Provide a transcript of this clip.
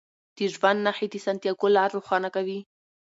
د ژوند نښې د سانتیاګو لار روښانه کوي.